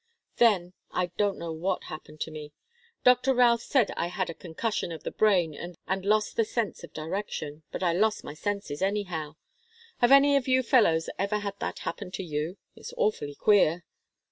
"Then I don't know what happened to me. Doctor Routh said I had a concussion of the brain and lost the sense of direction, but I lost my senses, anyhow. Have any of you fellows ever had that happen to you? It's awfully queer?"